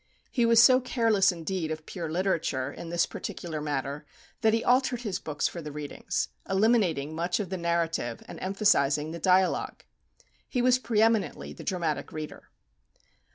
He was so careless indeed of pure literature, in this particular matter, that he altered his books for the readings, eliminating much of the narrative, and emphasizing the dialogue. He was pre eminently the dramatic reader.